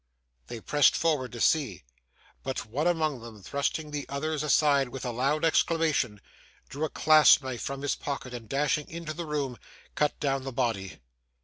They pressed forward to see; but one among them thrusting the others aside with a loud exclamation, drew a clasp knife from his pocket, and dashing into the room, cut down the body.